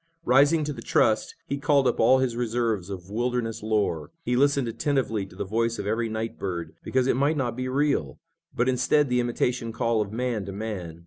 Rising to the trust, he called up all his reserves of wilderness lore. He listened attentively to the voice of every night bird, because it might not be real, but instead the imitation call of man to man.